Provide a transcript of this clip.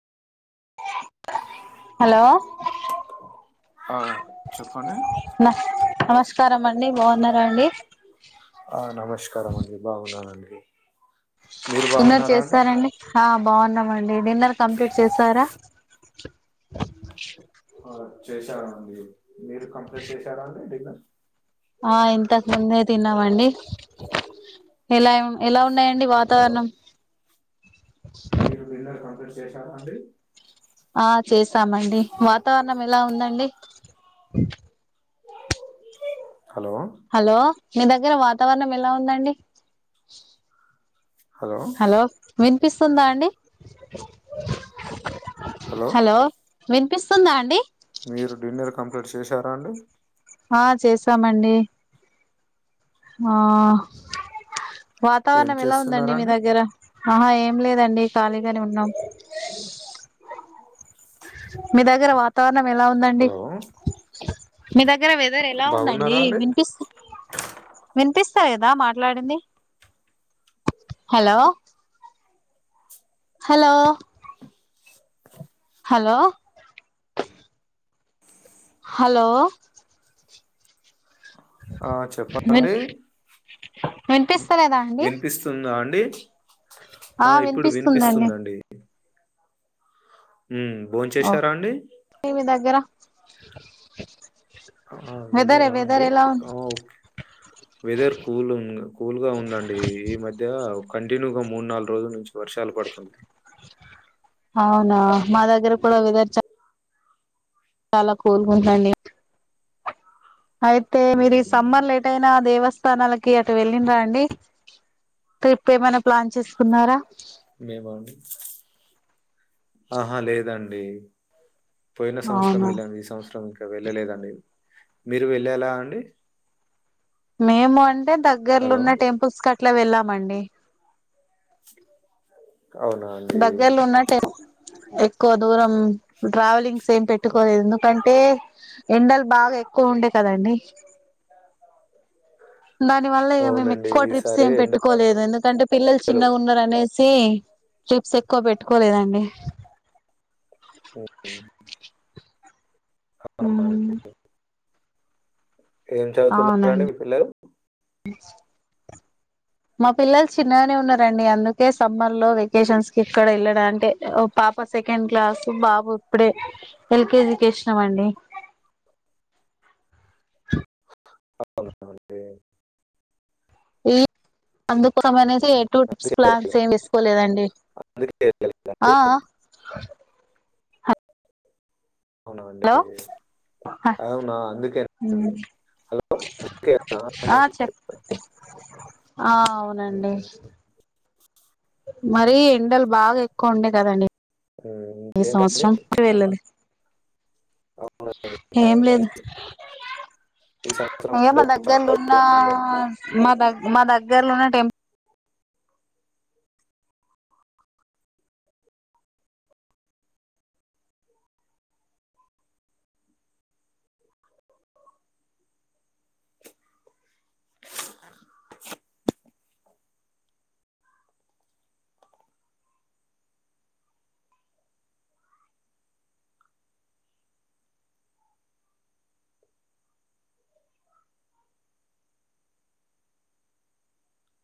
Hello ఆ చెప్పండి న నమస్కారం అండి బాగున్నారా అండి ఆ నమస్కారం అండి బాగున్నానండి మీరు డిన్నర్ బాగున్నారా అండి చేసారండి ఆ బాగున్నామండి డిన్నర్ కంప్లీట్ చేసారా ఆ చేశావండి మీరు కంప్లీట్ చేశారా అండి డిన్నర్ ఆ ఇంతకు ముందే తిన్నావండి ఎలా ఎలా ఉన్నాయండి వాట్ హలో తావరణం మీరు డిన్నర్ కంప్లీట్ చేశారా అండి ఆ చేసామండి వాతావరణం ఎలా ఉందండి హలో హలో మీ దగ్గర వాతావరణం ఎలా ఉందండి హలో వినిపిస్తుందా అండి హలో వినిపిస్తుందా అండి మీరు డిన్నర్ కంప్లీట్ చేశారా అండి ఆ చేసామండి ఆ ఏం వాతావరణం ఎలా ఉందండి మీ చేస్తున్నారండి దగ్గర ఆహా ఏం లేదండి ఖాళీగనే ఉన్నాం మీ దగ్గర వాతావరణం ఎలా ఉందండి హలో మీ దగ్గర వెదర్ ఎలా ఉందండి బాగున్నారా అండి వినిపిస్ వినిపిస్తాయి ఎదా మాట్లాడింది హలో హలో హలో హలో ఆ విన్ చెప్పండి వి వినిపిస్తలేదా అండి వినిపిస్తుందా అండి ఆ ఇప్పుడు వినిపిస్తుందండి ఊమ్ భోన్ చేశారా అండి వి మి దగ్గర ఆ హ వేదరా అండి ఆ ఒకే బ్లాంక్ వెదర్ కూల్ ఉంగ్ కూల్ గా ఉందండి ఈ మధ్య కంటిన్యూగా మూడ్ నాలుగు రోజుల నుంచి వర్షాలు పడుతుంది అవునా మా దగ్గర కూడా వెదర్ చ చాలా కూల్ గుందండి అయితే మీరీ మ్మ్. సమ్మర్లో ఎటైనా దేవస్థానాలకి అటు వెళ్ళిన్రా అండి ట్రిప్ ఏమైనా ప్లాన్ చేసుకున్నారా మేమండి ఆహా లేదండి పోయిన సంవత్సరం అవునా వెళ్ళాము ఈ సంవత్సరం ఇంకా వెళ్ళలేదండి మీరు వెళ్ళేలా అండి మేము అంటే దగ్గర్లో హలో ఉన్న టెంపుల్స్ కట్లా వెళ్ళామండి [inaudible] అవునా అండి దగ్గర్లో ఉన్న టెం ఎక్కువ దూరం ట్రావెలింగ్స్ ఏం పెట్టుకోలే ఎందుకంటే ఎండలు బాగా ఎక్కువ ఉండే కదండి దాని వల్ల ఇగ మేము అవునండి ఎక్కువ ట్రిప్స్ ఈసారి ఏం పెట్టుకోలేదు ఎందుకంటే పిల్లలు ఎండలు చిన్నగా ఉన్నారు అనేసి సి ట్రిప్స్ ఎక్కువ పెట్టుకోలేదండి ఉ ఉ అ [inaudible] ఏం చదువుతున్నారండి అవునండి మీ పిల్లలు మా పిల్లలు చిన్నగనే ఉన్నారండి అందుకే సమ్మర్ లో వెకేషన్స్ కి ఎక్కడ వెళ్ళడం అంటే ఒ పాప సెకండ్ క్లాసు బాబు ఇప్పుడే ఎల్కేజీ కి ఏషినం అండి అవునా అండి ఈ అందుకోసమనేసి ఎటూ ట్రిప్స్ అందుకే ప్లాన్స్ వెళ్ళలేదా? ఏం వేసుకోలేదండి అందుకే వెళ్ళలేదా ఆ అండి? ఆ అవునా అండి హలో అవునా అందుకే అందుకేనా ఆ అనేసి చెప్ ఆ అవునండి చెప్తాను మరీ ఎండలు బాగా ఎక్కువ ఉండే కదండి హ్మ్. ఈ ఏంటండి? సంవత్సరం కె వెళ్ళలే అవునండి. ఏం ఈ లేదు ఈ సంవత్సరం ఏ మా ఎండలు చాలా దగ్గర్లున్నా ఎక్కువ ఉందండి. మా దగ్గ మా దగ్గర్లున్న టెంపు